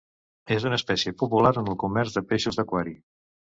És una espècie popular en el comerç de peixos d'aquari.